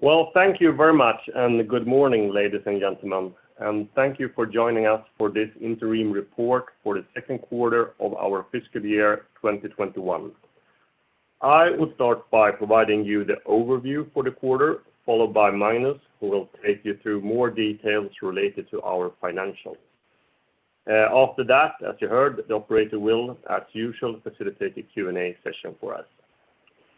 Well, thank you very much. Good morning, ladies and gentlemen. Thank you for joining us for this interim report for the second quarter of our fiscal year 2021. I will start by providing you the overview for the quarter, followed by Magnus, who will take you through more details related to our financials. After that, as you heard, the operator will, as usual, facilitate the Q&A session for us.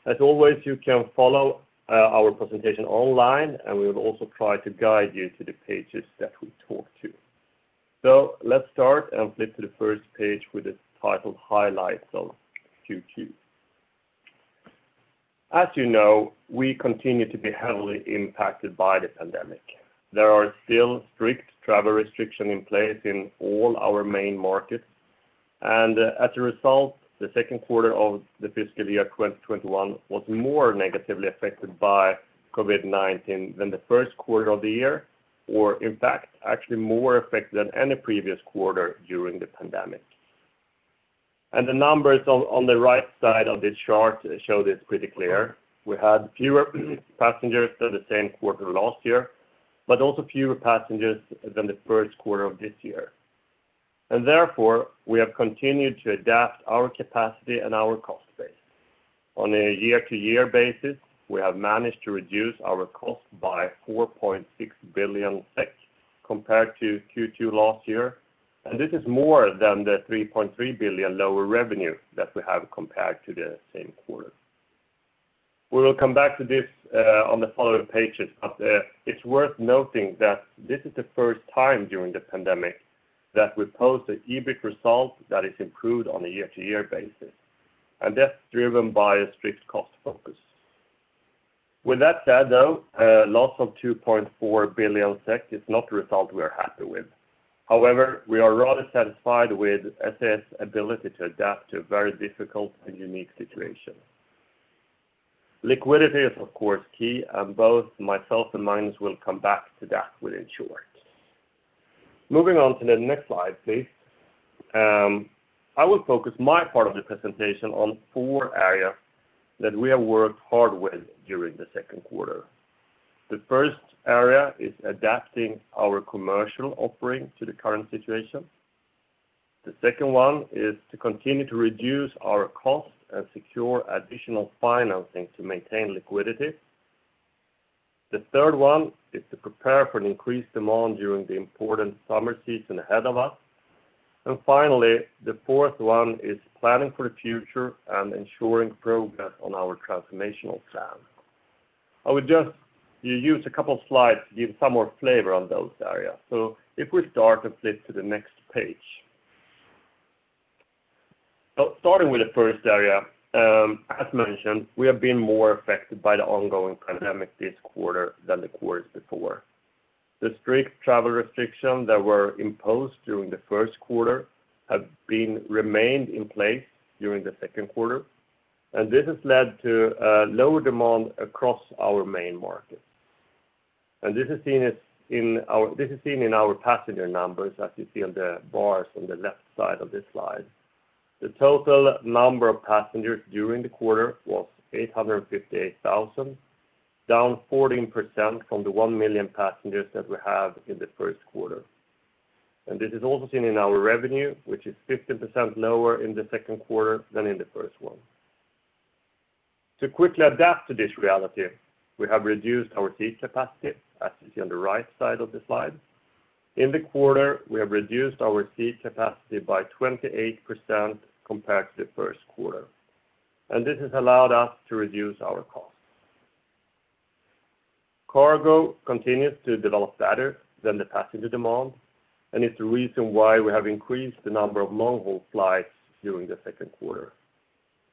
As always, you can follow our presentation online, and we'll also try to guide you to the pages that we talk to. Let's start and flip to the first page with the title Highlights of Q2. As you know, we continue to be heavily impacted by the pandemic. There are still strict travel restrictions in place in all our main markets. As a result, the second quarter of the fiscal year 2021 was more negatively affected by COVID-19 than the first quarter of the year, or in fact, actually more affected than any previous quarter during the pandemic. The numbers on the right side of this chart show this pretty clear. We had fewer passengers than the same quarter last year, but also fewer passengers than the first quarter of this year. Therefore, we have continued to adapt our capacity and our cost base. On a year-to-year basis, we have managed to reduce our cost by 4.6 billion SEK compared to Q2 last year, and this is more than the 3.3 billion lower revenue that we have compared to the same quarter. We will come back to this on the following pages. It's worth noting that this is the first time during the pandemic that we post an EBIT result that is improved on a year-to-year basis. That's driven by a strict cost focus. With that said, though, a loss of 2.4 billion SEK is not the result we are happy with. However, we are rather satisfied with SAS's ability to adapt to a very difficult and unique situation. Liquidity is, of course, key. Both myself and Magnus will come back to that within short. Moving on to the next slide, please. I will focus my part of the presentation on four areas that we have worked hard with during the second quarter. The first area is adapting our commercial offering to the current situation. The second one is to continue to reduce our cost and secure additional financing to maintain liquidity. The third one is to prepare for increased demand during the important summer season ahead of us. Finally, the fourth one is planning for the future and ensuring progress on our transformational plan. I will just use a couple of slides to give some more flavor on those areas. If we start and flip to the next page. Starting with the first area, as mentioned, we have been more affected by the ongoing pandemic this quarter than the quarters before. The strict travel restrictions that were imposed during the first quarter have remained in place during the second quarter, and this has led to low demand across our main markets. This is seen in our passenger numbers, as you see on the bars on the left side of this slide. The total number of passengers during the quarter was 858,000, down 14% from the 1 million passengers that we had in the first quarter. This is also seen in our revenue, which is 50% lower in the second quarter than in the first one. To quickly adapt to this reality, we have reduced our seat capacity, as you see on the right side of the slide. In the quarter, we have reduced our seat capacity by 28% compared to the first quarter, and this has allowed us to reduce our costs. Cargo continues to develop better than the passenger demand and is the reason why we have increased the number of long-haul flights during the second quarter.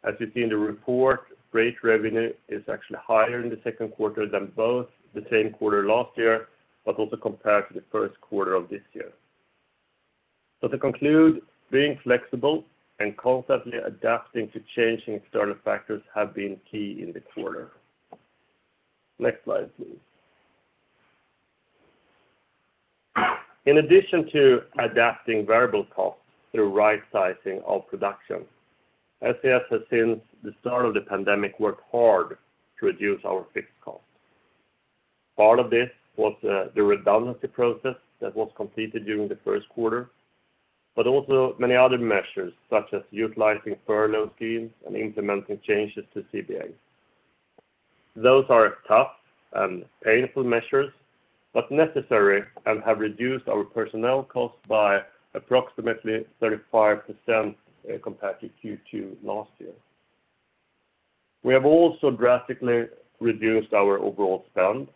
As you see in the report, freight revenue is actually higher in the second quarter than both the same quarter last year, but also compared to the first quarter of this year. To conclude, being flexible and constantly adapting to changing external factors have been key in the quarter. Next slide, please. In addition to adapting variable costs through right-sizing our production, SAS has, since the start of the pandemic, worked hard to reduce our fixed costs. Part of this was the redundancy process that was completed during the first quarter, but also many other measures, such as utilizing furlough schemes and implementing changes to CBA. Those are tough and painful measures, but necessary, and have reduced our personnel costs by approximately 35% compared to Q2 last year. We have also drastically reduced our overall spend,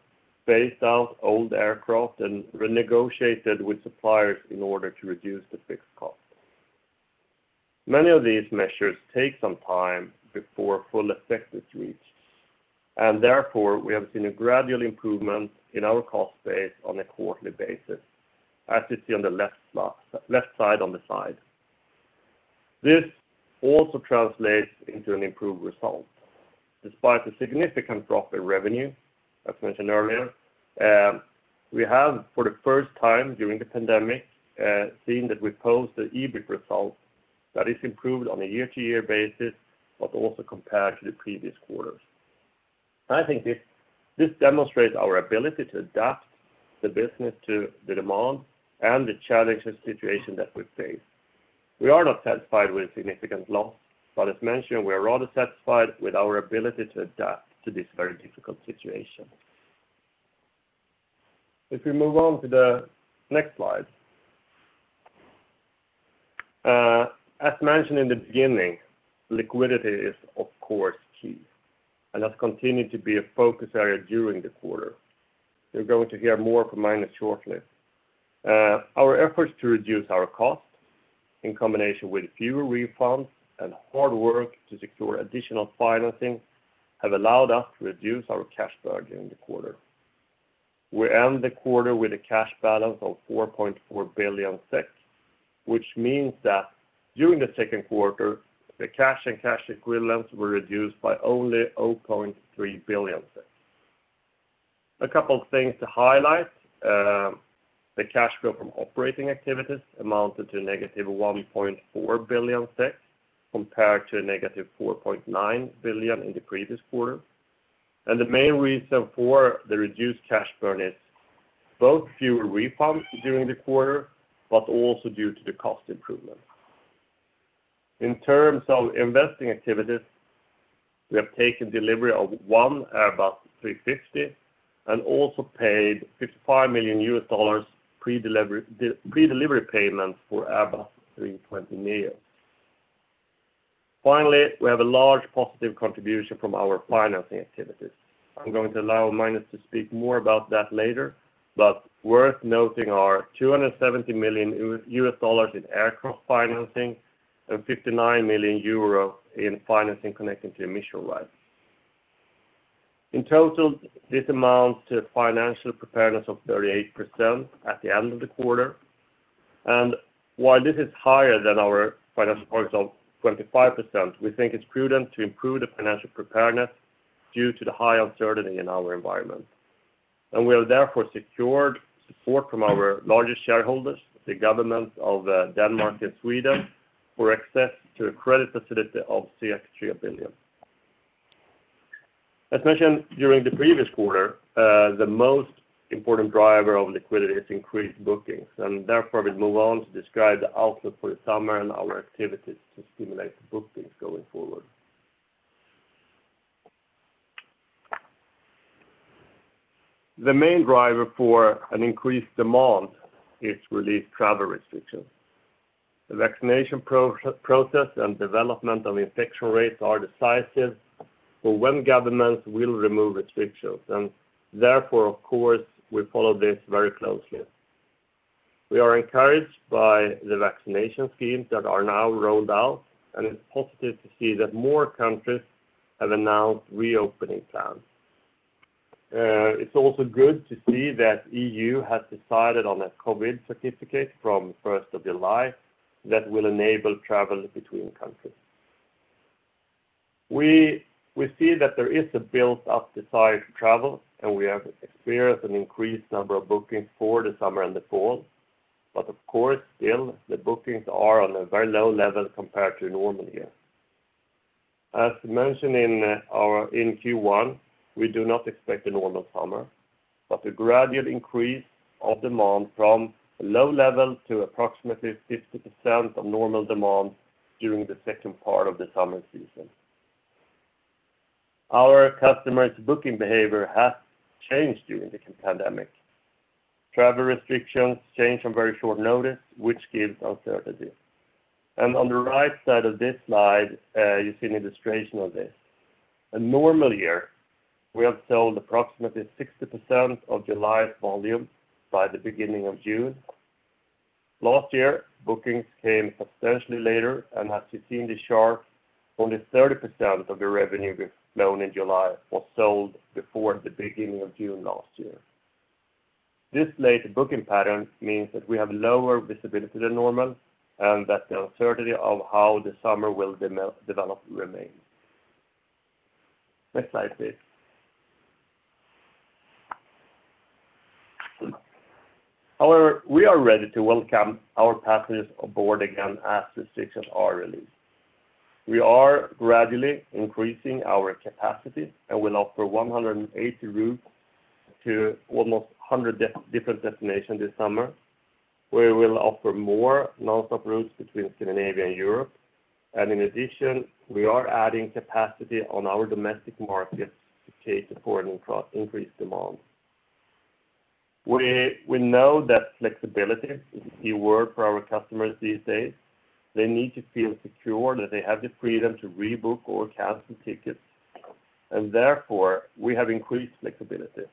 phased out old aircraft, and renegotiated with suppliers in order to reduce the fixed costs. Many of these measures take some time before full effectiveness, and therefore we have seen a gradual improvement in our cost base on a quarterly basis, as you see on the left side on the slide. This also translates into an improved result. Despite the significant drop in revenue, as mentioned earlier, we have, for the first time during the pandemic, seen that we post the EBIT result that is improved on a year-over-year basis, but also compared to the previous quarters. I think this demonstrates our ability to adapt the business to the demand and the challenging situation that we face. We are not satisfied with a significant loss, but as mentioned, we are all satisfied with our ability to adapt to this very difficult situation. If we move on to the next slide. As mentioned in the beginning, liquidity is, of course, key and has continued to be a focus area during the quarter. You are going to hear more from Magnus shortly. Our efforts to reduce our costs, in combination with fewer refunds and hard work to secure additional financing, have allowed us to reduce our cash burn during the quarter. We end the quarter with a cash balance SEK of 4.4 billion, which means that during the second quarter, the cash and cash equivalents were reduced by only 0.3 billion. A couple of things to highlight. The cash flow from operating activities amounted to -1.4 billion compared to -4.9 billion in the previous quarter. The main reason for the reduced cash burn is both fewer refunds during the quarter, but also due to the cost improvements. In terms of investing activities, we have taken delivery of one Airbus A350 and also paid $55 million pre-delivery payment for Airbus A320neo. Finally, we have a large positive contribution from our financing activities. I'm going to allow Magnus to speak more about that later, but worth noting are $270 million in aircraft financing and 59 million euro in financing connected to emission rights. In total, this amounts to financial preparedness of 38% at the end of the quarter. While this is higher than our financial target of 25%, we think it's prudent to improve the financial preparedness due to the high uncertainty in our environment. We have therefore secured support from our largest shareholders, the governments of Denmark and Sweden, for access to a credit facility of 3 billion. As mentioned during the previous quarter, the most important driver of liquidity is increased bookings. Therefore, we move on to describe the output for the summer and our activities to stimulate the bookings going forward. The main driver for an increased demand is released travel restrictions. The vaccination process and development of infection rates are decisive for when governments will remove restrictions. Therefore, of course, we follow this very closely. We are encouraged by the vaccination schemes that are now rolled out. It's positive to see that more countries have announced reopening plans. It's also good to see that EU has decided on a COVID certificate from the 1st of July that will enable travel between countries. We see that there is a built-up desire to travel. We have experienced an increased number of bookings for the summer and the fall. Of course, still, the bookings are on a very low level compared to a normal year. As mentioned in Q1, we do not expect a normal summer, but a gradual increase of demand from a low level to approximately 50% of normal demand during the second part of the summer season. Our customers' booking behavior has changed during this pandemic. Travel restrictions change on very short notice, which gives uncertainty. On the right side of this slide, you see an illustration of this. A normal year, we have sold approximately 60% of July's volume by the beginning of June. Last year, bookings came substantially later, and as you see in the chart, only 30% of the revenue we've flown in July was sold before the beginning of June last year. This later booking pattern means that we have lower visibility than normal and that the uncertainty of how the summer will develop remains. Next slide, please. We are ready to welcome our passengers aboard again as restrictions are released. We are gradually increasing our capacity and will offer 180 routes to almost 100 different destinations this summer, where we will offer more non-stop routes between Scandinavia and Europe. In addition, we are adding capacity on our domestic markets to support increased demand. We know that flexibility is a key word for our customers these days. They need to feel secure that they have the freedom to rebook or cancel tickets, and therefore, we have increased flexibility.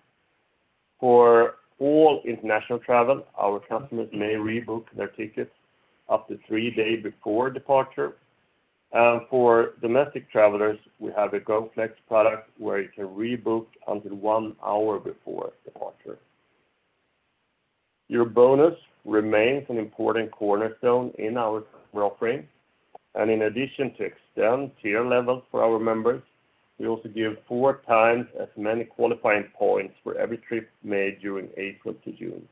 For all international travel, our customers may rebook their tickets up to three days before departure. For domestic travelers, we have a Go Flex product where you can rebook until one hour before departure. EuroBonus remains an important cornerstone in our customer offering. In addition to extend tier levels for our members, we also give four times as many qualifying points for every trip made during April to June.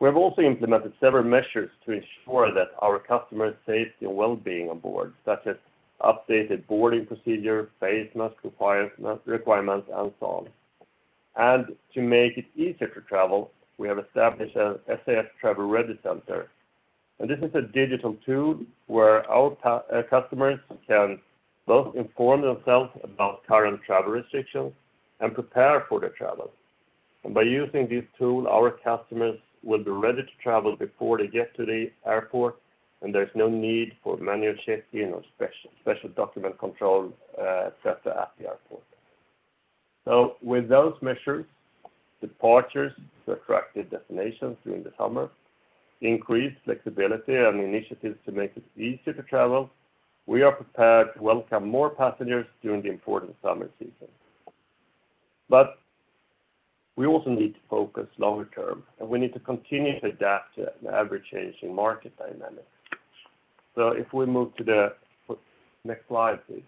We've also implemented several measures to ensure that our customers' safety and wellbeing on board, such as updated boarding procedure, face mask requirements, and so on. To make it easier to travel, we have established an SAS Travel Ready Center. This is a digital tool where our customers can both inform themselves about current travel restrictions and prepare for their travel. By using this tool, our customers will be ready to travel before they get to the airport, and there's no need for manual check-in or special document control at the airport. With those measures, departures to attractive destinations during the summer, increased flexibility, and initiatives to make it easier to travel, we are prepared to welcome more passengers during the important summer season. We also need to focus longer term, and we need to continue to adapt to an ever-changing market dynamic. If we move to the next slide, please.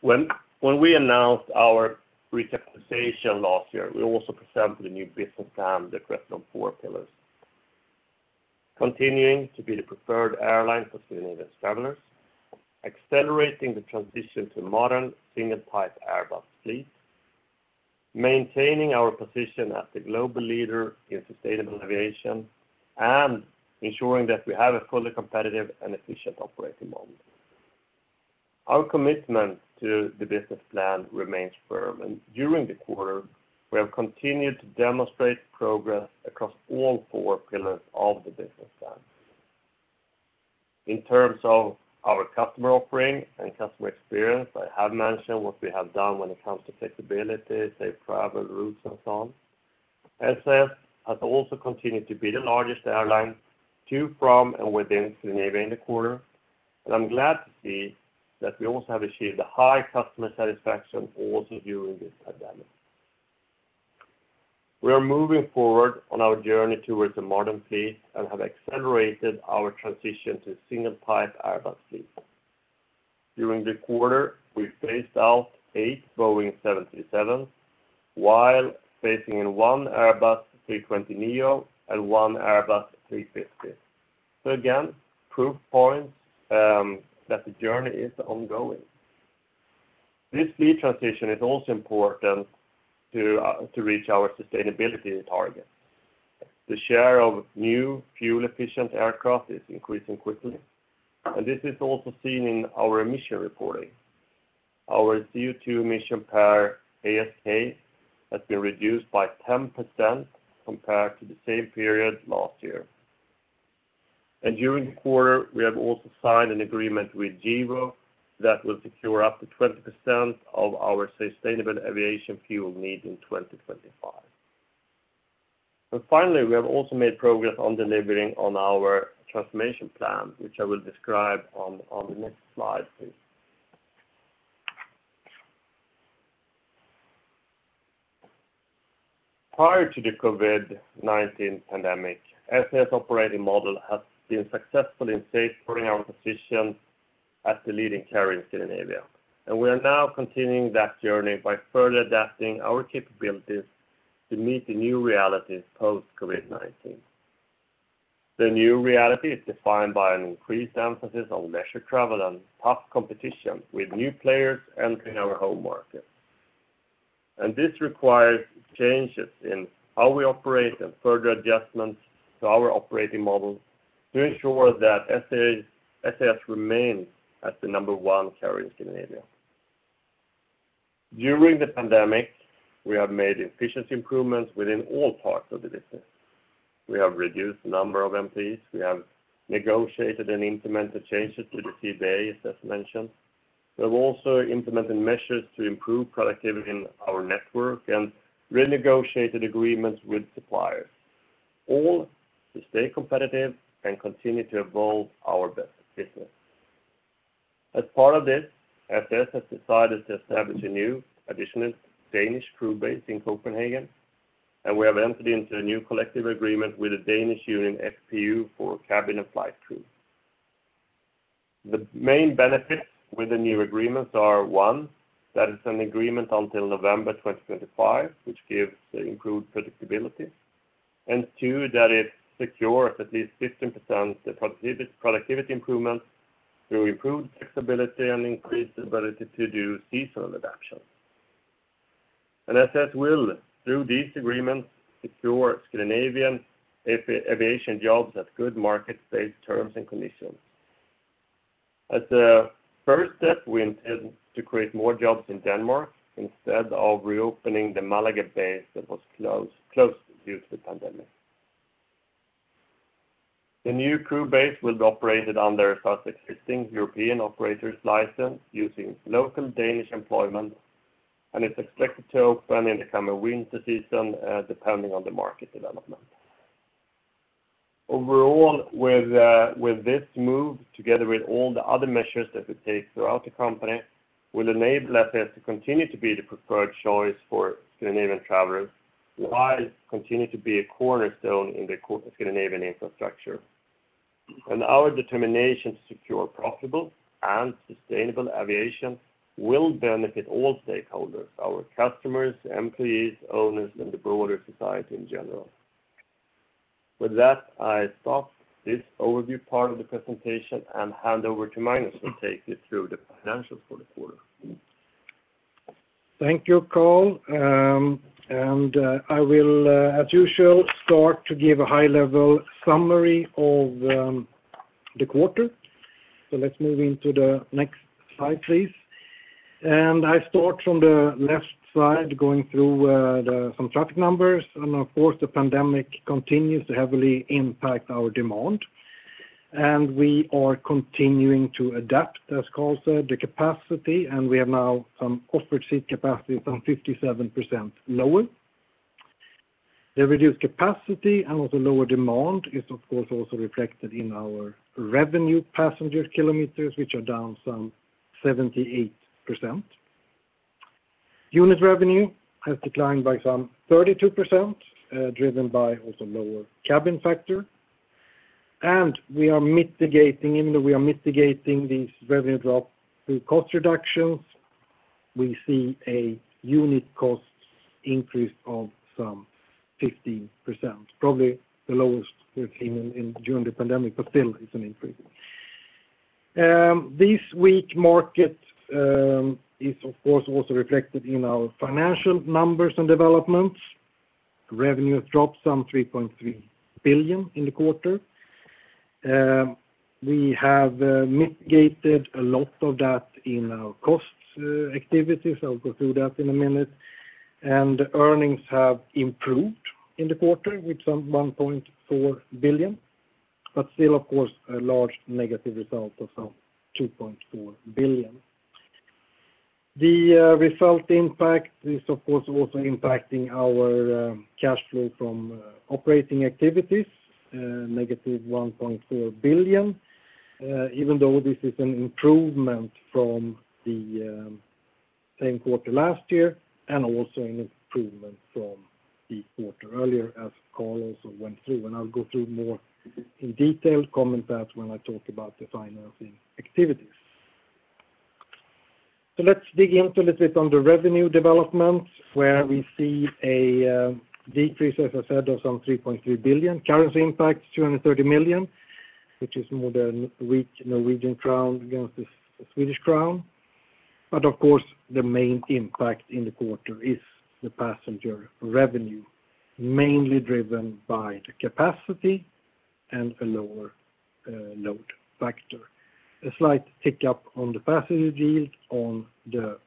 When we announced our recapitalization last year, we also presented the new business plan that rests on four pillars: continuing to be the preferred airline for Scandinavian travelers, accelerating the transition to a modern, single-aisle Airbus fleet, maintaining our position as the global leader in sustainable aviation, and ensuring that we have a fully competitive and efficient operating model. Our commitment to the business plan remains firm, and during the quarter, we have continued to demonstrate progress across all four pillars of the business plan. In terms of our customer offering and customer experience, I have mentioned what we have done when it comes to flexibility, safe travel routes, and so on. SAS has also continued to be the largest airline to, from, and within Scandinavia in the quarter, and I'm glad to see that we also have achieved high customer satisfaction also during this pandemic. We are moving forward on our journey towards a modern fleet and have accelerated our transition to a single-aisle Airbus fleet. During the quarter, we phased out eight Boeing 737s while phasing in one Airbus A320neo and one Airbus A350. Again, proof points that the journey is ongoing. This fleet transition is also important to reach our sustainability targets. The share of new fuel-efficient aircraft is increasing quickly, and this is also seen in our emission reporting. Our CO2 emission per ASK has been reduced by 10% compared to the same period last year. During the quarter, we have also signed an agreement with Gevo that will secure up to 20% of our sustainable aviation fuel needs in 2025. Finally, we have also made progress on delivering on our transformation plan, which I will describe on the next slide, please. Prior to the COVID-19 pandemic, SAS' operating model has been successful in safeguarding our position as the leading carrier in Scandinavia. We are now continuing that journey by further adapting our capabilities to meet the new realities post-COVID-19. The new reality is defined by an increased emphasis on leisure travel and tough competition, with new players entering our home market. This requires changes in how we operate and further adjustments to our operating model to ensure that SAS remains as the number one carrier in Scandinavia. During the pandemic, we have made efficiency improvements within all parts of the business. We have reduced the number of employees. We have negotiated and implemented changes to the CBA, as mentioned. We have also implemented measures to improve productivity in our network and renegotiated agreements with suppliers, all to stay competitive and continue to evolve our business. As part of this, SAS has decided to establish a new additional Danish crew base in Copenhagen, and we have entered into a new collective agreement with the Danish Union FPU for cabin and flight crew. The main benefits with the new agreements are, one, that it's an agreement until November 2025, which gives improved predictability, and two, that it secures at least 15% productivity improvements to improve flexibility and increase the ability to do seasonal adaptations. SAS will, through these agreements, secure Scandinavian aviation jobs at good market-based terms and conditions. As a first step, we intend to create more jobs in Denmark instead of reopening the Malaga base that was closed due to the pandemic. The new crew base will be operated under a separate existing European operator's license using local Danish employment, and it's expected to open in the summer/winter season, depending on the market development. Overall, with this move, together with all the other measures that we take throughout the company, will enable SAS to continue to be the preferred choice for Scandinavian travelers while continuing to be a cornerstone in the Scandinavian infrastructure. Our determination to secure profitable and sustainable aviation will benefit all stakeholders, our customers, employees, owners, and the broader society in general. With that, I stop this overview part of the presentation and hand over to Magnus to take you through the financials for the quarter. Thank you, Karl. I will, as usual, start to give a high-level summary of the quarter. Let's move into the next slide, please. I start from the left side, going through some traffic numbers. Of course, the pandemic continues to heavily impact our demand, and we are continuing to adapt, as Karl said, the capacity, and we are now some offered seat capacity some 57% lower. The reduced capacity and also lower demand is, of course, also reflected in our revenue passenger kilometers, which are down some 78%. unit revenue has declined by some 32%, driven by also lower cabin factor. Even though we are mitigating this revenue drop through cost reductions, we see a unit cost increase of some 15%, probably the lowest we've seen during the pandemic, but still it is an increase. This weak market is, of course, also reflected in our financial numbers and developments. Revenue dropped some 3.3 billion in the quarter. We have mitigated a lot of that in our cost activities. I'll go through that in a minute. Earnings have improved in the quarter with some 1.4 billion, but still, of course, a large negative result of some 2.4 billion. The result impact is, of course, also impacting our cash flow from operating activities, -1.4 billion, even though this is an improvement from the same quarter last year and also an improvement from the quarter earlier, as Karl also went through. I'll go through more in detail comments that when I talk about the financing activities. Let's dig into a little on the revenue developments where we see a decrease, as I said, of some 3.3 billion. Currency impact is 230 million, which is more the Norwegian krone against the Swedish krona. Of course, the main impact in the quarter is the passenger revenue, mainly driven by the capacity and the lower load factor. A slight pick-up on the passenger yield on the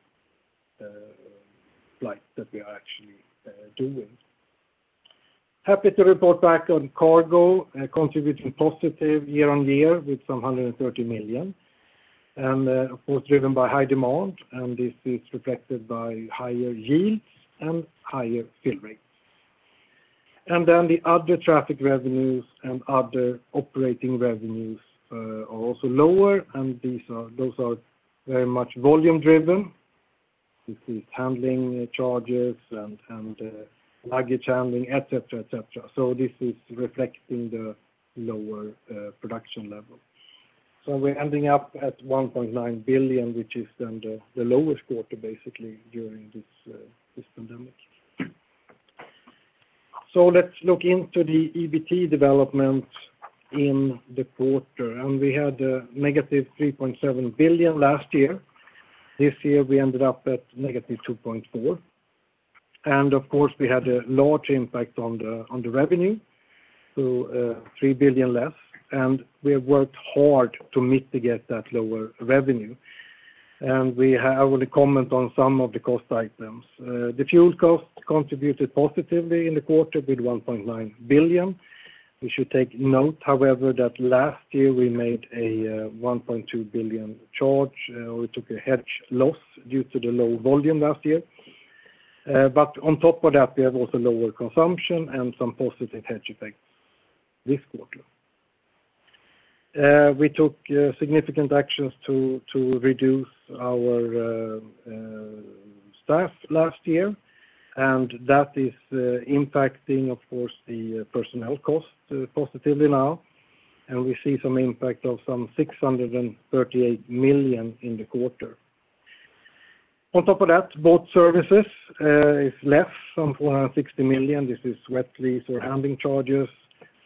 flights that we are actually doing. Happy to report back on cargo contributed positive year-on-year with some 130 million. Of course, driven by high demand, this is reflected by higher yields and higher fill rates. The other traffic revenues and other operating revenues are also lower. Those are very much volume-driven. This is handling charges and luggage handling, et cetera. This is reflecting the lower production level. We're ending up at 1.9 billion, which is then the lowest quarter, basically, during this pandemic. Let's look into the EBT development in the quarter. We had a -3.7 billion last year. This year, we ended up at -2.4 billion. Of course, we had a large impact on the revenue, 3 billion less, and we have worked hard to mitigate that lower revenue. I will comment on some of the cost items. The fuel cost contributed positively in the quarter with 1.9 billion. We should take note, however, that last year we made a 1.2 billion charge. We took a hedge loss due to the low volume last year. On top of that, we have also lower consumption and some positive hedge effects this quarter. We took significant actions to reduce our staff last year, and that is impacting, of course, the personnel cost positively now, and we see some impact of some 638 million in the quarter. On top of that, both services is less, some 460 million. This is wet lease or handling charges.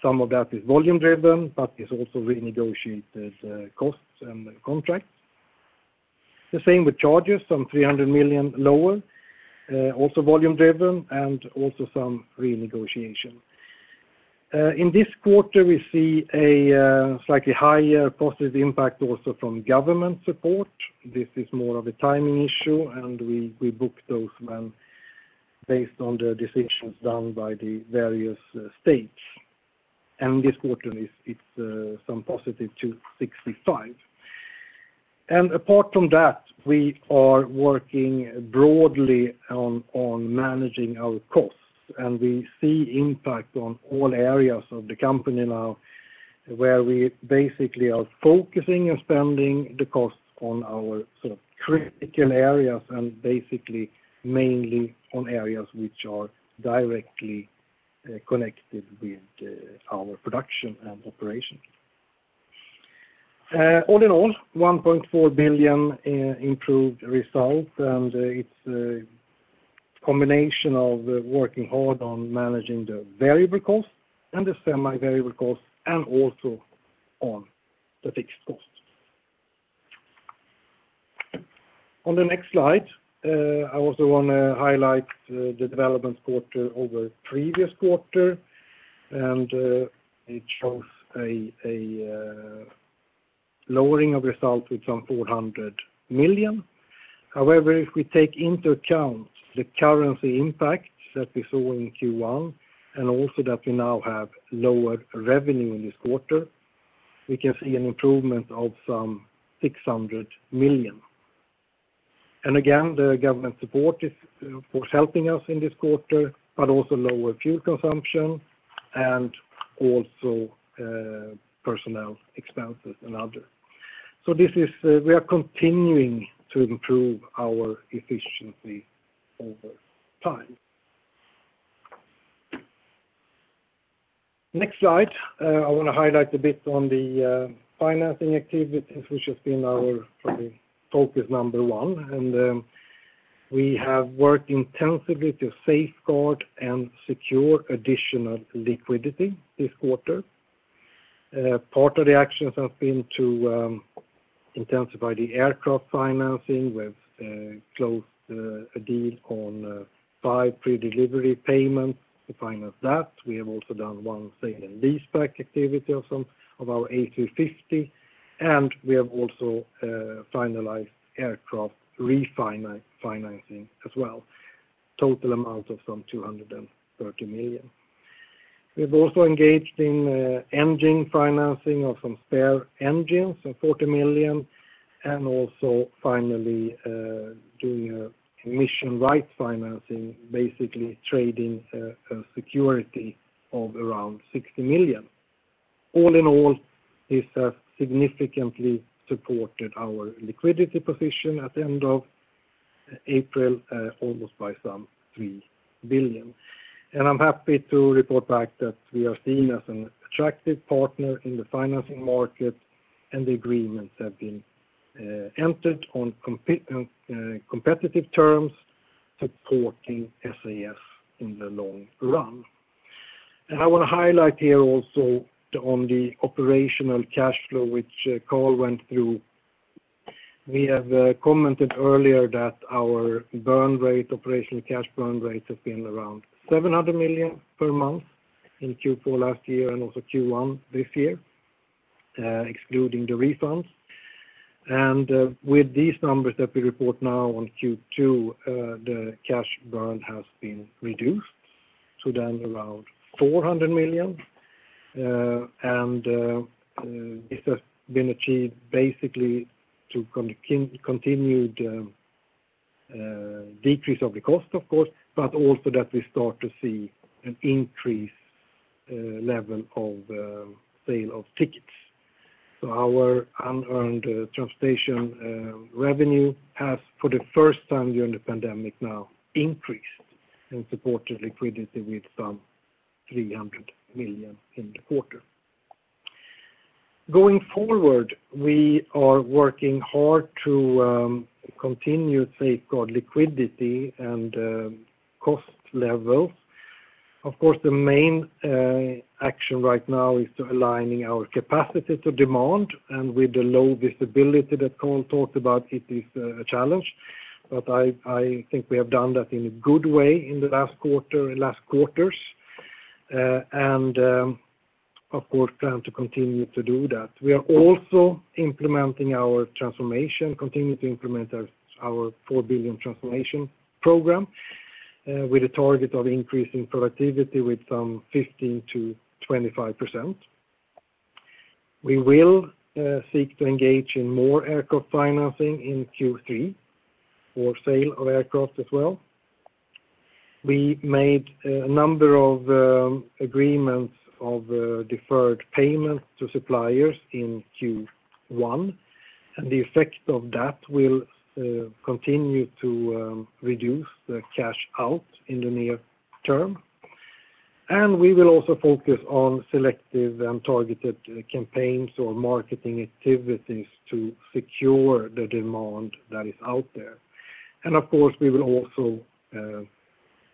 Some of that is volume-driven, but it's also renegotiated costs and contracts. The same with charges, some 300 million lower, also volume-driven and also some renegotiation. In this quarter, we see a slightly higher positive impact also from government support. This is more of a timing issue, and we book those based on the decisions done by the various states. This quarter, it's some +265 [million]. Apart from that, we are working broadly on managing our costs, and we see impact on all areas of the company now, where we basically are focusing on spending the cost on our sort of critical areas and basically mainly on areas which are directly connected with our production and operations. All in all, 1.4 billion improved results, and it is a combination of working hard on managing the variable costs and the semi-variable costs, and also on the fixed costs. On the next slide, I also want to highlight the development quarter over the previous quarter, and it shows a lowering of results with some 400 million. However, if we take into account the currency impact that we saw in Q1, also that we now have lower revenue in this quarter, we can see an improvement of some 600 million. Again, the government support is helping us in this quarter, but also lower fuel consumption and also personnel expenses and other. We are continuing to improve our efficiency over time. Next slide. I want to highlight a bit on the financing activities, which have been our focus number one. We have worked intensively to safeguard and secure additional liquidity this quarter. Part of the actions have been to intensify the aircraft financing. We have closed a deal on five pre-delivery payments to finance that. We have also done one sale and leaseback activity of some of our A350, and we have also finalized aircraft refinancing as well. Total amount of some 230 million. We've also engaged in engine financing of some spare engines, 40 million, and also finally doing an emission rights financing, basically trading security of around 60 million. All in all, this has significantly supported our liquidity position at the end of April, almost by some 3 billion. I'm happy to report back that we are seen as an attractive partner in the financing market, and the agreements have been entered on competitive terms supporting SAS in the long run. I want to highlight here also on the operational cash flow, which Karl went through. We have commented earlier that our burn rate, operational cash burn rate, has been around 700 million per month in Q4 last year and also Q1 this year, excluding the refunds. With these numbers that we report now on Q2, the cash burn has been reduced to then around 400 million. This has been achieved basically to continue the decrease of the cost, of course, but also that we start to see an increased level of sale of tickets. Our unearned transportation revenue has, for the first time during the pandemic, now increased and supported liquidity with some 300 million in the quarter. Going forward, we are working hard to continue to safeguard liquidity and cost levels. Of course, the main action right now is aligning our capacity to demand, and with the low visibility that Karl talked about, it is a challenge. I think we have done that in a good way in the last quarters, and of course, plan to continue to do that. We are also implementing our transformation, continue to implement our 4 billion transformation program, with a target of increasing productivity with some 15%-20%. We will seek to engage in more aircraft financing in Q3, for sale of aircraft as well. We made a number of agreements of deferred payments to suppliers in Q1, and the effect of that will continue to reduce the cash out in the near term. We will also focus on selective and targeted campaigns or marketing activities to secure the demand that is out there. Of course, we will also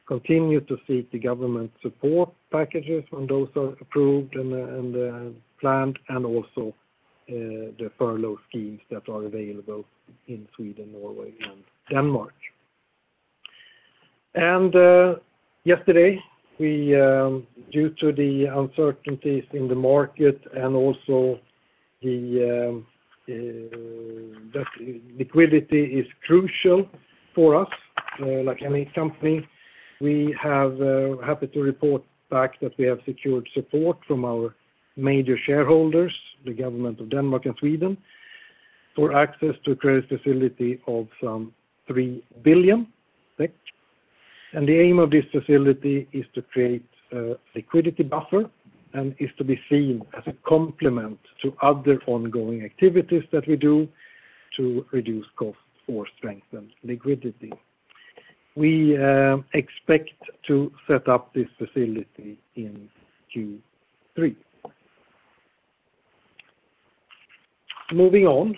continue to seek the government support packages when those are approved and planned, and also the furlough schemes that are available in Sweden, Norway, and Denmark. Yesterday, due to the uncertainties in the market and also that liquidity is crucial for us, like any company, we have happy to report back that we have secured support from our major shareholders, the government of Denmark and Sweden, for access to a credit facility of some 3 billion. The aim of this facility is to create a liquidity buffer and is to be seen as a complement to other ongoing activities that we do to reduce costs or strengthen liquidity. We expect to set up this facility in Q3. Moving on.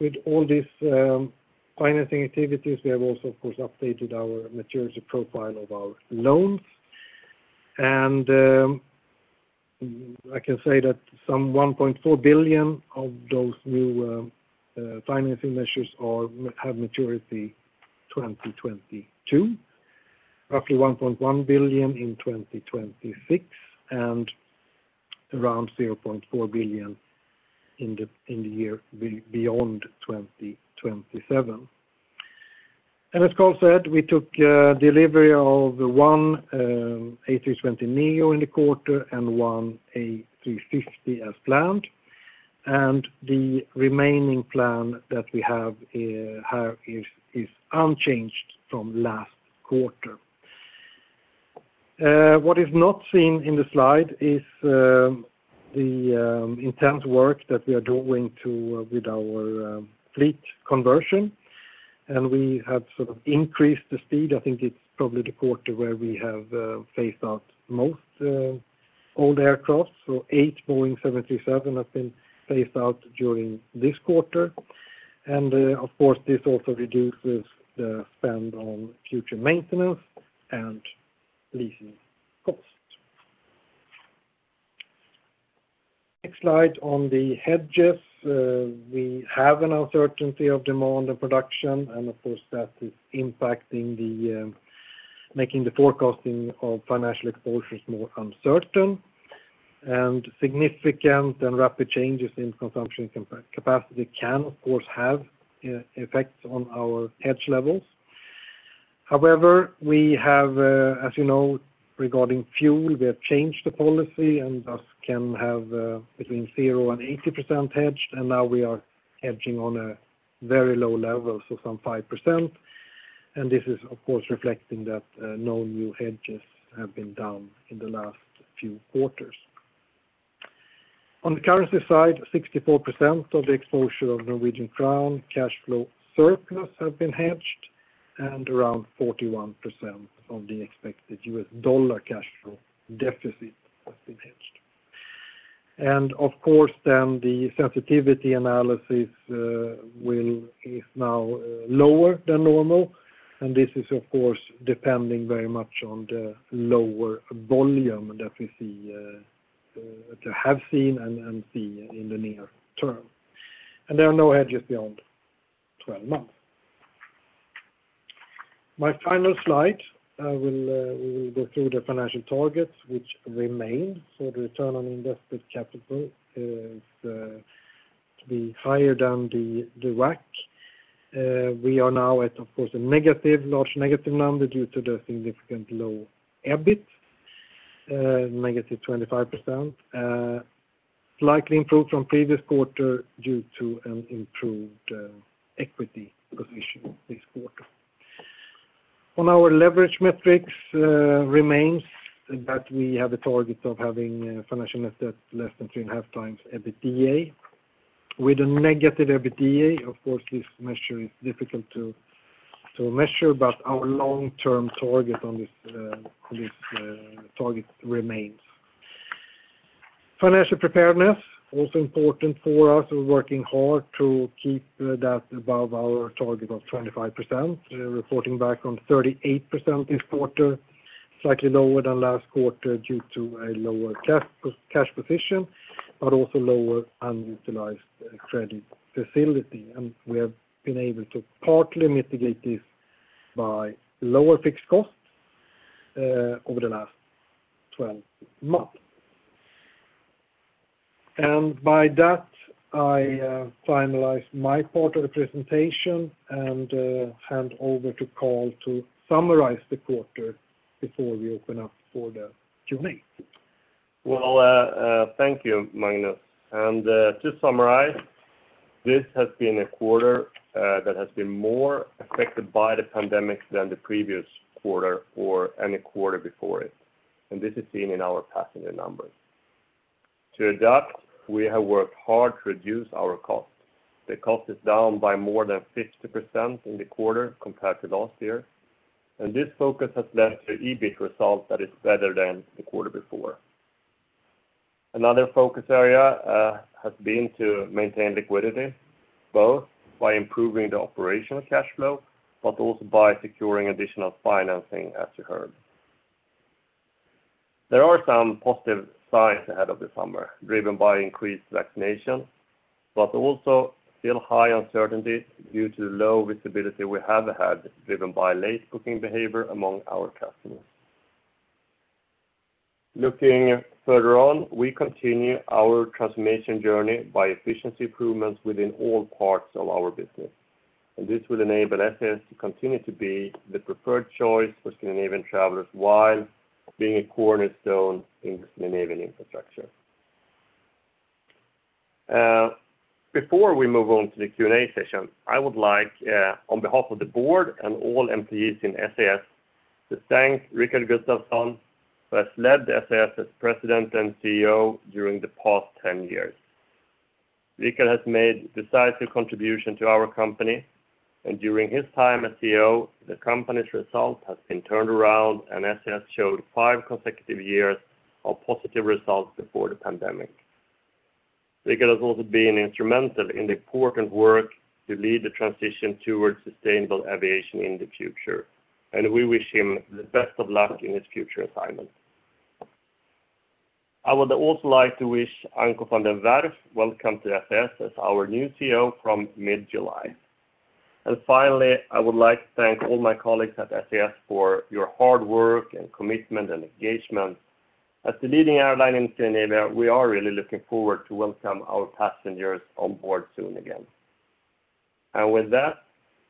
With all these financing activities, we have also, of course, updated our maturity profile of our loans. I can say that some 1.4 billion of those new financing measures have maturity 2022, roughly 1.1 billion in 2026, and around 0.4 billion in the year beyond 2027. As Karl said, we took delivery of one A320neo in the quarter and one A350 as planned. The remaining plan that we have is unchanged from last quarter. What is not seen in the slide is the intense work that we are doing with our fleet conversion, and we have increased the speed. I think it's probably the quarter where we have phased out most old aircraft. Eight Boeing 737 have been phased out during this quarter. Of course, this also reduces the spend on future maintenance and leasing costs. Next slide on the hedges. We have an uncertainty of demand and production, of course, that is making the forecasting of financial exposures more uncertain. Significant and rapid changes in consumption capacity can, of course, have effects on our hedge levels. However, as you know, regarding fuel, we have changed the policy and thus can have between 0% and 80% hedged, and now we are hedging on a very low level, so some 5%. This is, of course, reflecting that no new hedges have been done in the last few quarters. On the currency side, 64% of the exposure of Norwegian krone cash flow surplus have been hedged. Around 41% of the expected U.S. dollar cash flow deficit has been hedged. Of course, then the sensitivity analysis is now lower than normal. This is, of course, depending very much on the lower volume that we have seen and see in the near term. There are no hedges beyond 12 months. My final slide, we'll go through the financial targets, which remain. The return on invested capital is to be higher than the WACC. We are now at, of course, a large negative number due to the significant low EBIT, -25%. Slight improve from previous quarter due to an improved equity position this quarter. On our leverage metrics remains that we have a target of having financial assets less than 3.5x EBITDA. With a negative EBITDA, of course, this measure is difficult to measure, but our long-term target on this target remains. Financial preparedness, also important for us. We are working hard to keep that above our target of 25%. We are reporting back on 38% this quarter, slightly lower than last quarter due to a lower cash position, but also lower unutilized credit facility. We have been able to partly mitigate this by lower fixed costs over the last 12 months. By that, I finalize my quarter presentation and hand over to Karl to summarize the quarter before we open up for the Q&A. Well, thank you, Magnus. To summarize, this has been a quarter that has been more affected by the pandemic than the previous quarter or any quarter before it, and this is seen in our passenger numbers. To adapt, we have worked hard to reduce our costs. The cost is down by more than 50% in the quarter compared to last year, and this focus has led to an EBIT result that is better than the quarter before. Another focus area has been to maintain liquidity, both by improving the operational cash flow, but also by securing additional financing, as you heard. There are some positive signs ahead of the summer, driven by increased vaccination, but also still high uncertainties due to low visibility we have had, driven by late booking behavior among our customers. Looking further on, we continue our transformation journey by efficiency improvements within all parts of our business, and this will enable SAS to continue to be the preferred choice for Scandinavian travelers while being a cornerstone in Scandinavian infrastructure. Before we move on to the Q&A session, I would like, on behalf of the Board and all employees in SAS, to thank Rickard Gustafson, who has led SAS as President and CEO during the past 10 years. Rickard has made a decisive contribution to our company, and during his time as CEO, the company's results have been turned around, and SAS showed five consecutive years of positive results before the pandemic. Rickard has also been instrumental in the important work to lead the transition towards sustainable aviation in the future, and we wish him the best of luck in his future assignments. I would also like to wish Anko van der Werff welcome to SAS as our new CEO from mid-July. Finally, I would like to thank all my colleagues at SAS for your hard work and commitment and engagement. As the leading airline in Scandinavia, we are really looking forward to welcome our passengers on board soon again. With that,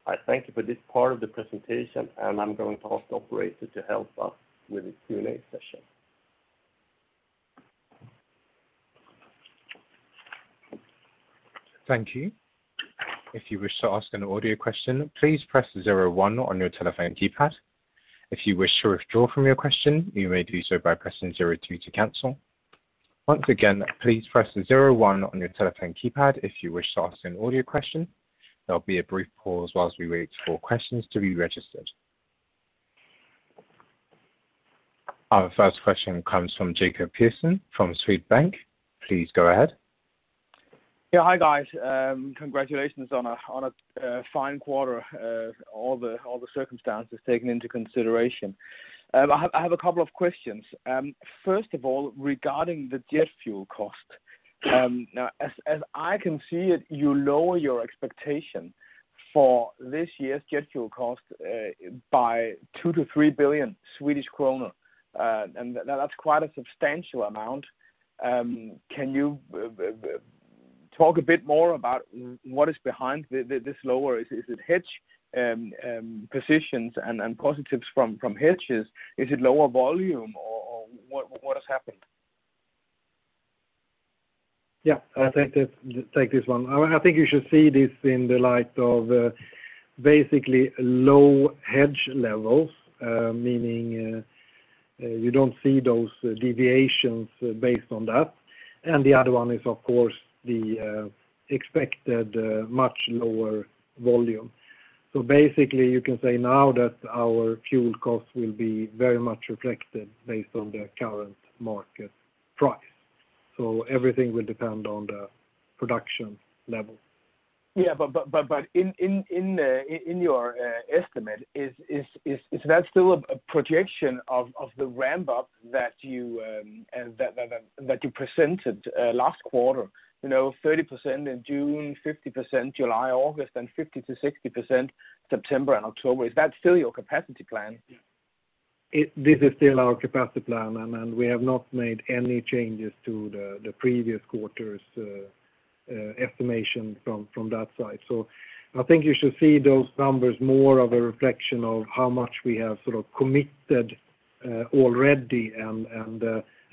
I thank you for this part of the presentation, and I'm going to ask the operator to help us with the Q&A session. Thank you. If you wish to ask an audio question, please press zero one on your telephone keypad. If you wish to withdraw from your question, you may do so by pressing zero two to cancel. Once again, please press zero one on your telephone keypad if you wish to ask an audio question. There'll be a brief pause as we wait for questions to be registered. Our first question comes from Jacob Pedersen from Sydbank. Please go ahead. Yeah. Hi, guys. Congratulations on a fine quarter, all the circumstances taken into consideration. I have a couple of questions. First of all, regarding the jet fuel cost. As I can see it, you lower your expectation for this year's jet fuel cost by 2 billion-3 billion Swedish kronor. That's quite a substantial amount. Can you talk a bit more about what is behind this lower? Is it hedge positions and positives from hedges? Is it lower volume or what has happened? Yeah, I'll take this one. I think you should see this in the light of basically low hedge levels, meaning you don't see those deviations based on that. The other one is, of course, the expected much lower volume. Basically you can say now that our fuel cost will be very much reflected based on the current market price. Everything will depend on the production level. Yeah. In your estimate, is that still a projection of the ramp-up that you presented last quarter? 30% in June, 50% July, August, and 50%-60% September and October. Is that still your capacity plan? This is still our capacity plan, and we have not made any changes to the previous quarter's estimation from that side. I think you should see those numbers more of a reflection of how much we have sort of committed already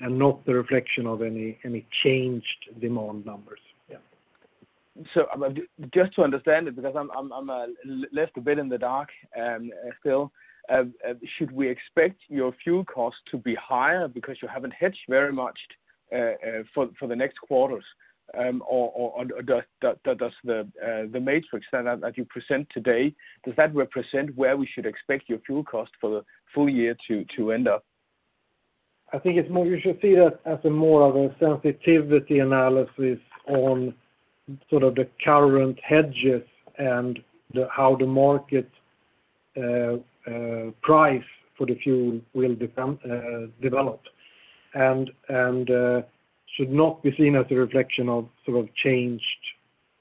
and not the reflection of any changed demand numbers. Yeah. Just to understand it, because I am left a bit in the dark, still, should we expect your fuel cost to be higher because you haven't hedged very much for the next quarters? Or does the matrix that you present today, does that represent where we should expect your fuel cost for the full year to end up? I think you should see that as a more of a sensitivity analysis on sort of the current hedges and how the market price for the fuel will develop and should not be seen as a reflection of sort of changed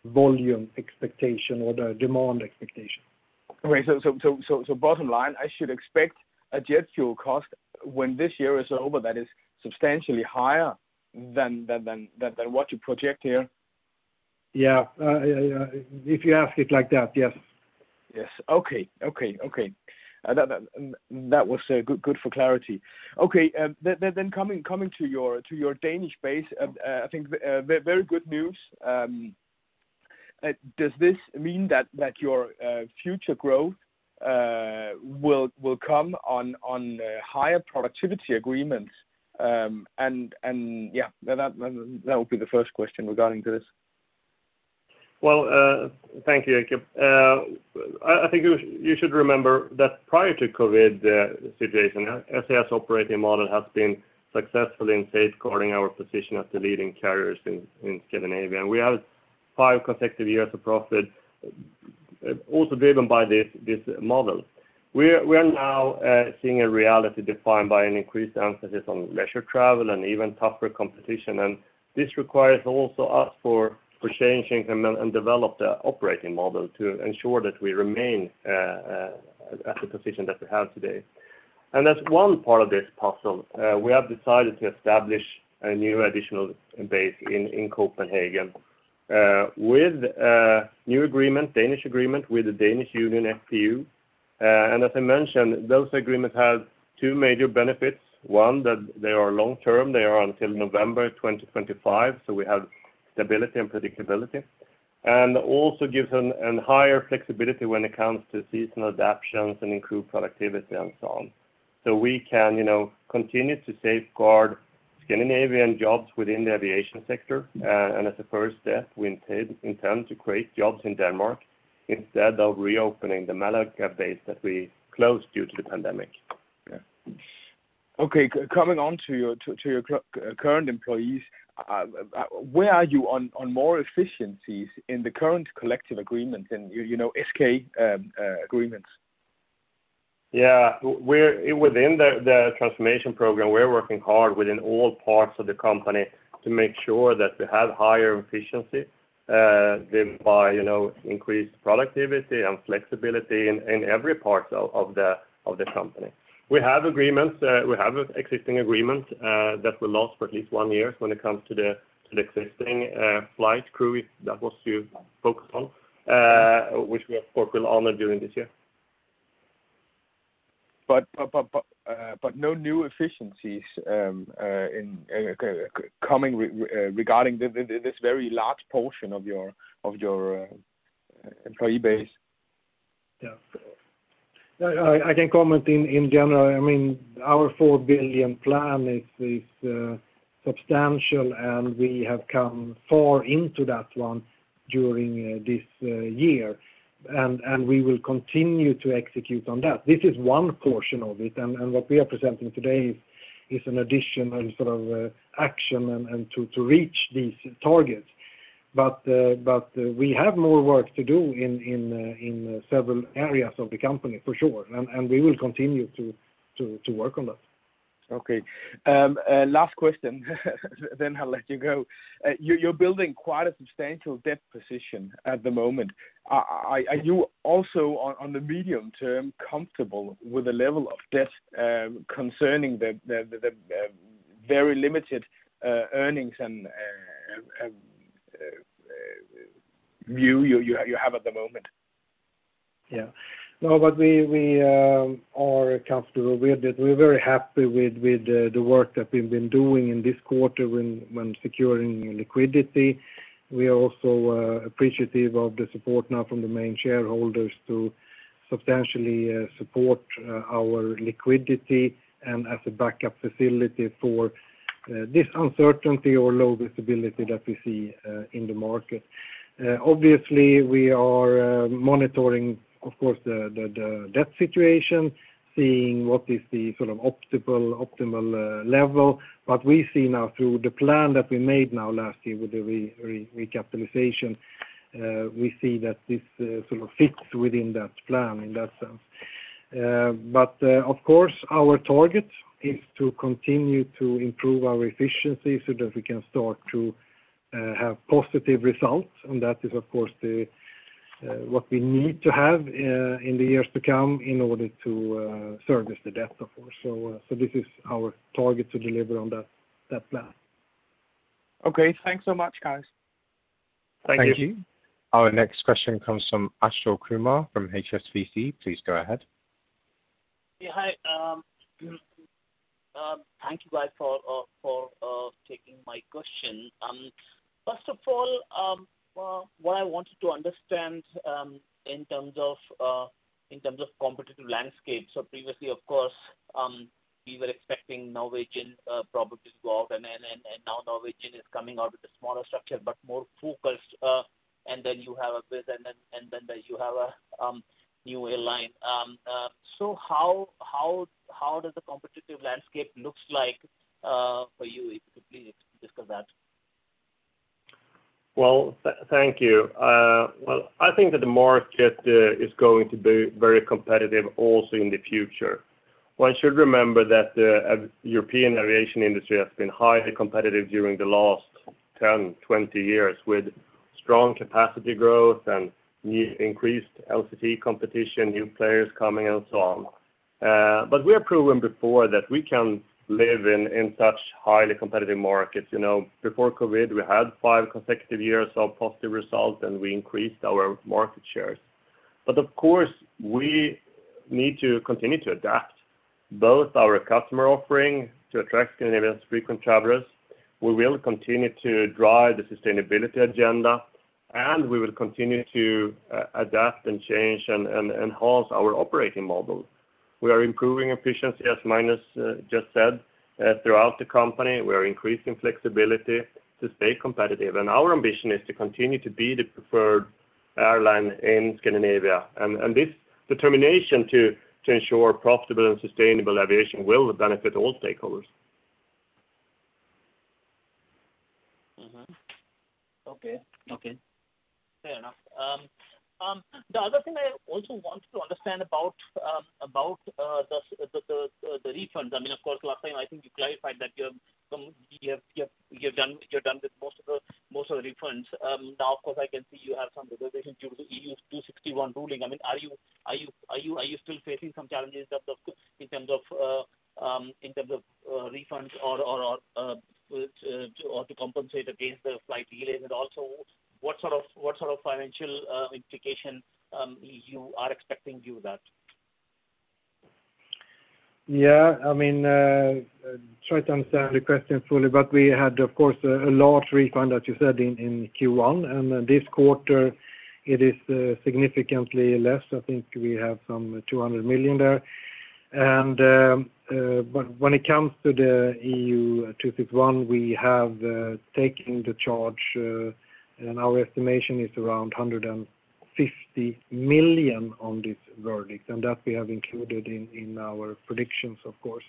volume expectation or the demand expectation. Okay, bottom line, I should expect a jet fuel cost when this year is over that is substantially higher than what you project here? Yeah. If you ask it like that, yes. Yes. Okay. That was good for clarity. Coming to your Danish base, I think very good news. Does this mean that your future growth will come on higher productivity agreements? Yeah, that would be the first question regarding this. Well, thank you, Jacob. I think you should remember that prior to COVID-19 situation, SAS operating model has been successful in safeguarding our position as the leading carriers in Scandinavia. We have five consecutive years of profit also driven by this model. We are now seeing a reality defined by an increased emphasis on leisure travel and even tougher competition. This requires also us for changing and develop the operating model to ensure that we remain at the position that we have today. As one part of this puzzle, we have decided to establish a new additional base in Copenhagen. With a new agreement, Danish agreement with the Danish Union FPU. As I mentioned, those agreements have two major benefits. One, that they are long-term. They are until November 2025, so we have stability and predictability, and also gives them a higher flexibility when it comes to seasonal adaptations and improved productivity and so on. We can continue to safeguard Scandinavian jobs within the aviation sector. As a first step, we intend to create jobs in Denmark instead of reopening the Malaga base that we closed due to the pandemic. Okay. Coming on to your current employees, where are you on more efficiencies in the current collective agreement and SK agreements? Yeah. Within the transformation program, we are working hard within all parts of the company to make sure that we have higher efficiency, thereby increase productivity and flexibility in every part of the company. We have an existing agreement that will last for at least one year when it comes to the existing flight crew that was to focus on, which we, of course, will honor during this year. No new efficiencies regarding this very large portion of your employee base? Yeah. I can comment in general. Our 4 billion plan is substantial, and we have come far into that one during this year. We will continue to execute on that. This is one portion of it, and what we are presenting today is an additional sort of action and to reach these targets. We have more work to do in several areas of the company for sure, and we will continue to work on that. Okay. Last question, then I'll let you go. You're building quite a substantial debt position at the moment. Are you also, on the medium term, comfortable with the level of debt concerning the very limited earnings and view you have at the moment? Yeah. No, we are comfortable with it. We are very happy with the work that we have been doing in this quarter when securing liquidity. We are also appreciative of the support now from the main shareholders to substantially support our liquidity and as a backup facility for this uncertainty or low visibility that we see in the market. Obviously, we are monitoring, of course, the debt situation, seeing what is the sort of optimal level. We see now through the plan that we made now last year with the recapitalization, we see that this sort of fits within that plan in that sense. Of course, our target is to continue to improve our efficiency so that we can start to have positive results. That is, of course, what we need to have in the years to come in order to service the debt, of course. This is our target to deliver on that plan. Okay. Thanks so much, guys. Thank you. Thank you. Our next question comes from Achal Kumar from HSBC. Please go ahead. Yeah. Hi. Thank you, guys, for taking my question. First of all, what I wanted to understand in terms of competitive landscape. Previously, of course, we were expecting Norwegian probably to go out. Now Norwegian is coming out with a smaller structure, but more focused. Then you have a new airline. How does the competitive landscape look like for you if we discuss that? Thank you. I think that the market is going to be very competitive also in the future. One should remember that the European aviation industry has been highly competitive during the last 10, 20 years, with strong capacity growth and increased LCC competition, new players coming, and so on. We have proven before that we can live in such highly competitive markets. Before COVID, we had five consecutive years of positive results, and we increased our market shares. Of course, we need to continue to adapt both our customer offering to attract and speak with travelers. We will continue to drive the sustainability agenda, and we will continue to adapt and change and enhance our operating model. We are improving efficiency, as Magnus just said, throughout the company. We are increasing flexibility to stay competitive, and our ambition is to continue to be the preferred airline in Scandinavia. This determination to ensure profitable and sustainable aviation will benefit all stakeholders. Okay. Fair enough. The other thing I also wanted to understand about the refund. Of course, last time, I think you clarified that you're done with most of the refunds. Of course, I can see you have some reservation due to EU261 ruling. Are you still facing some challenges in terms of refunds or to compensate against the flight delays? Also, what sort of financial implications you are expecting due that? Yeah. I'll try to answer the question fully, but we had, of course, a large refund, as you said, in Q1. This quarter, it is significantly less. I think we have some 200 million there. When it comes to the EU261, we have taken the charge, and our estimation is around 150 million on this verdict, and that we have included in our predictions, of course.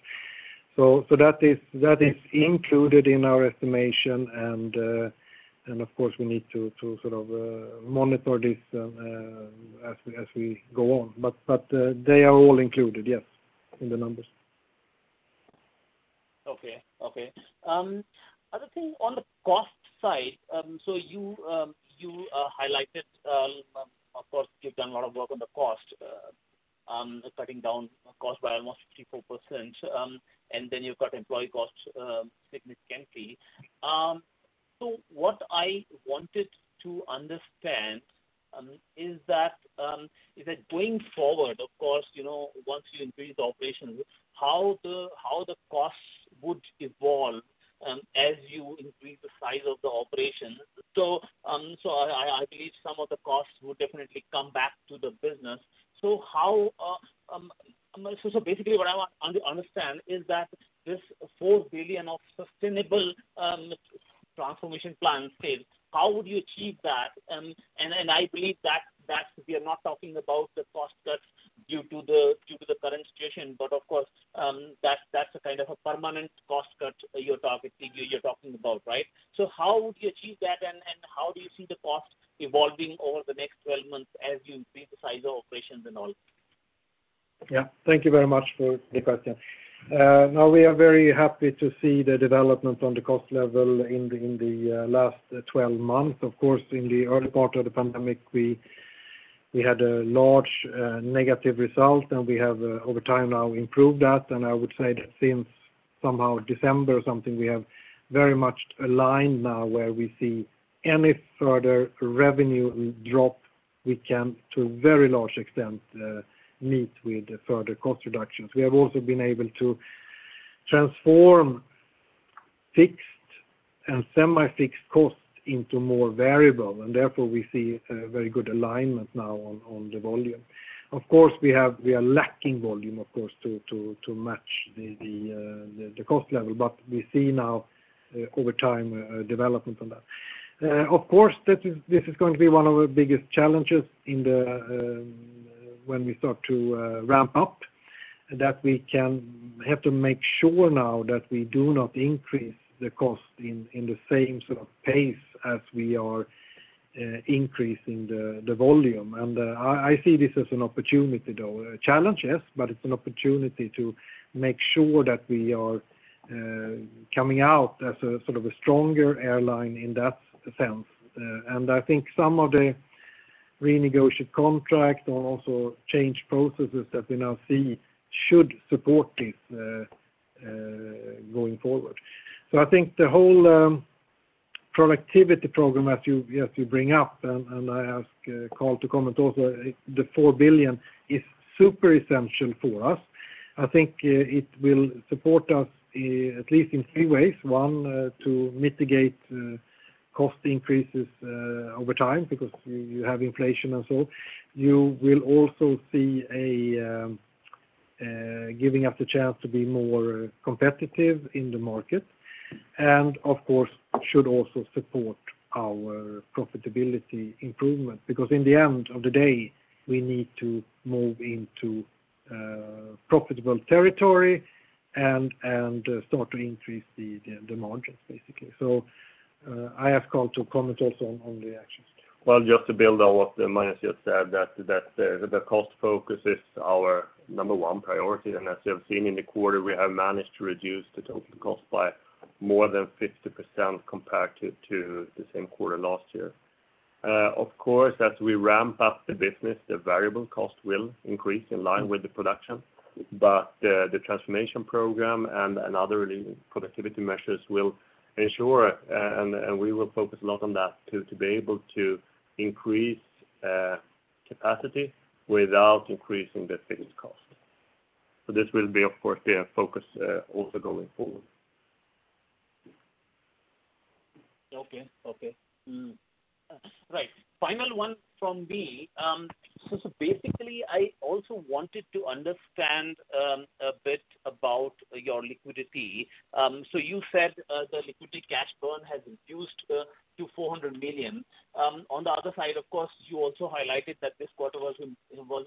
That is included in our estimation and, of course, we need to sort of monitor this as we go on. They are all included, yes, in the numbers. Okay. Other thing on the cost side, you highlighted, of course, you've done a lot of work on the cost, cutting down cost by almost 54%, you cut employee cost significantly. What I wanted to understand is that going forward, of course, once you increase the operations, how the costs would evolve as you increase the size of the operation. I believe some of the costs would definitely come back to the business. Basically what I want to understand is that this SEK 4 billion of sustainable transformation plan phase, how would you achieve that? I believe that we are not talking about the cost cuts due to the current situation, of course, that's a kind of a permanent cost cut you're talking about, right? How would you achieve that, and how do you see the cost evolving over the next 12 months as you increase the size of operations and all? Yeah, thank you very much for the question. We are very happy to see the development on the cost level in the last 12 months. Of course, in the early part of the pandemic, we had a large negative result. We have over time now improved that. I would say that since somehow December or something, we have very much aligned now, where we see any further revenue drop, we can, to a very large extent, meet with further cost reductions. We have also been able to transform fixed and semi-fixed costs into more variable. Therefore, we see a very good alignment now on the volume. Of course, we are lacking volume, of course, to match the cost level. We see now over time a development on that. Of course, this is going to be one of the biggest challenges when we start to ramp up, that we have to make sure now that we do not increase the cost in the same sort of pace as we are increasing the volume. I see this as an opportunity, though. A challenge, yes, but it's an opportunity to make sure that we are coming out as a sort of a stronger airline in that sense. I think some of the renegotiated contracts and also change processes that we now see should support this going forward. I think the whole productivity program, as you bring up, and I ask Karl to comment also, the 4 billion is super essential for us. I think it will support us at least in three ways. One, to mitigate cost increases over time because you have inflation and so on. You will also see giving us the chance to be more competitive in the market, of course, should also support our profitability improvement, because in the end of the day, we need to move into profitable territory and start to increase the margins, basically. I ask Karl to comment also on the actions. Well, just to build on what Magnus just said, that the cost focus is our number one priority. As you have seen in the quarter, we have managed to reduce the total cost by more than 50% compared to the same quarter last year. Of course, as we ramp up the business, the variable cost will increase in line with the production, but the transformation program and other productivity measures will ensure, and we will focus a lot on that too, to be able to increase capacity without increasing the fixed cost. This will be, of course, the focus also going forward. Okay. Right. Final one from me. I also wanted to understand a bit about your liquidity. You said the liquidity cash burn has reduced to 400 million. On the other side, of course, you also highlighted that this quarter was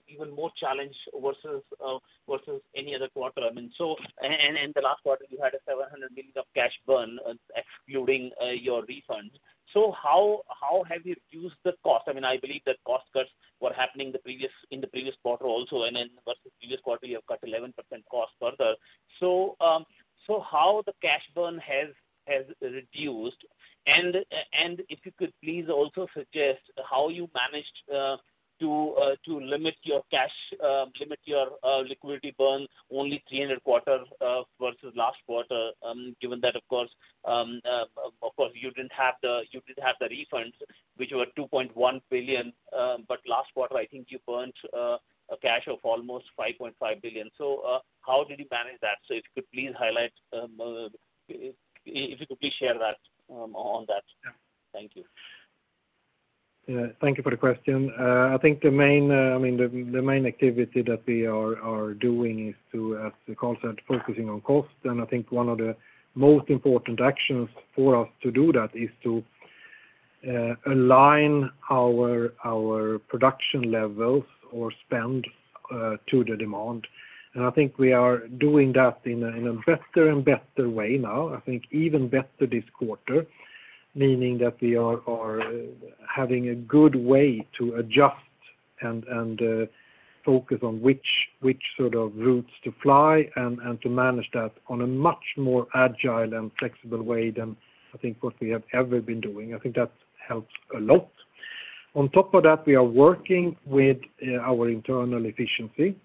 even more challenged versus any other quarter. In the last quarter, you had a 700 million of cash burn excluding your refund. How have you reduced the cost? I believe the cost cuts were happening in the previous quarter also, and in the previous quarter, you cut 11% cost further. How the cash burn has reduced, and if you could please also suggest how you managed to limit your liquidity burn only 300 quarter versus last quarter, given that, of course, you didn't have the refunds, which were 2.1 billion, but last quarter, I think you burned a cash of almost 5.5 billion. How did you manage that? If you could please share that on that. Thank you. Thank you for the question. I think the main activity that we are doing is to, as we call it, focusing on cost. I think one of the most important actions for us to do that is to align our production levels or spend to the demand. I think we are doing that in a better and better way now, I think even better this quarter, meaning that we are having a good way to adjust and focus on which sort of routes to fly and to manage that on a much more agile and flexible way than I think what we have ever been doing. I think that helps a lot. On top of that, we are working with our internal efficiency.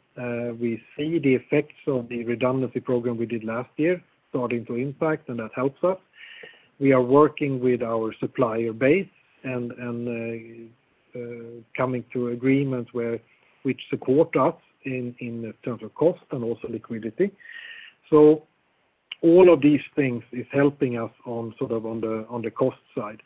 We see the effects of the redundancy program we did last year starting to impact, and that helps us. We are working with our supplier base and coming to agreements which support us in terms of cost and also liquidity. all of these things is helping us on the cost side.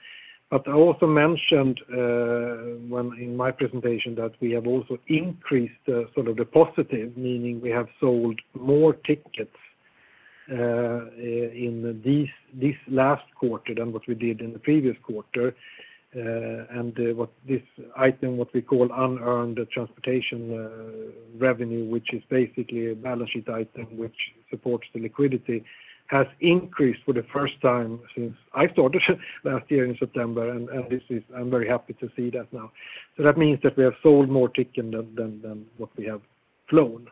I also mentioned in my presentation that we have also increased the positive, meaning we have sold more tickets in this last quarter than what we did in the previous quarter. This item, what we call unearned transportation revenue, which is basically a balance sheet item which supports the liquidity, has increased for the first time since I started last year in September, and I'm very happy to see that now. That means that we have sold more tickets than what we have flown.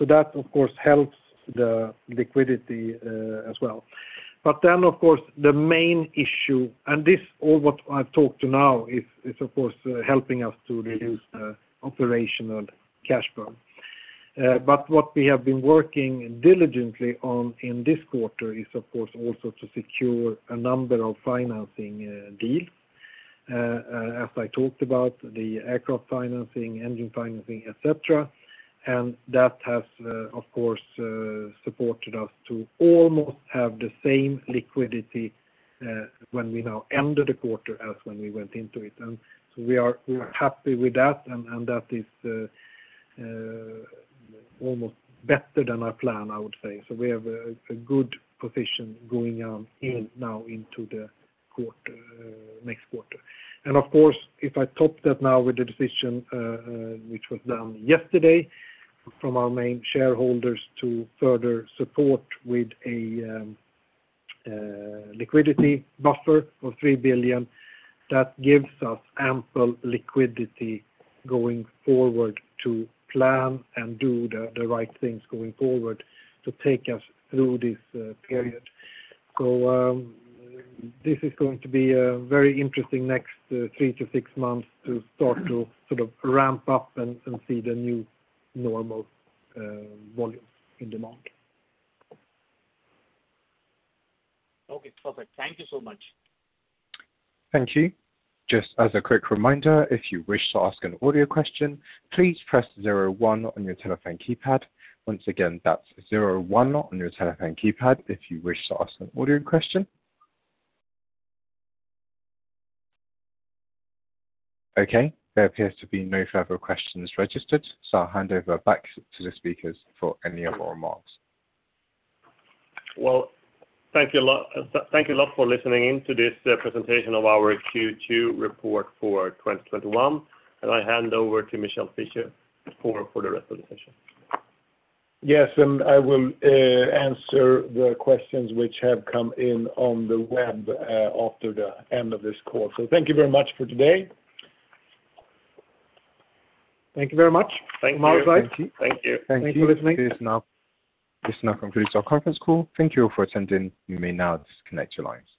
That, of course, helps the liquidity as well. Of course, the main issue, and all what I've talked to now is, of course, helping us to reduce operational cash burn. What we have been working diligently on in this quarter is, of course, also to secure a number of financing deals, as I talked about, the eco-financing, engine financing, et cetera. That has, of course, supported us to almost have the same liquidity when we now ended the quarter as when we went into it. We are happy with that, and that is almost better than I planned, I would say. We have a good position going now into the next quarter. Of course, if I top that now with the decision, which was done yesterday, from our main shareholders to further support with a liquidity buffer of 3 billion, that gives us ample liquidity going forward to plan and do the right things going forward to take us through this period. This is going to be a very interesting next three to six months to start to ramp up and see the new normal volume in demand. Okay. Perfect. Thank you so much. Thank you. Just as a quick reminder, if you wish to ask an audio question, please press zero one on your telephone keypad. Once again, that's zero one on your telephone keypad if you wish to ask an audio question. Okay, there appears to be no further questions registered, so I'll hand over back to the speakers for any other remarks. Well, thank you a lot for listening in to this presentation of our Q2 report for 2021. I hand over to Michel Fischier for the rest of the presentation. I will answer the questions which have come in on the web after the end of this call. Thank you very much for today. Thank you very much. Thank you, Mark. Thank you. This now concludes our conference call. Thank you for attending. You may now disconnect your lines.